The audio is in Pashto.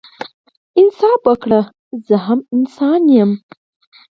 انصاف وکړئ زه هم انسان يم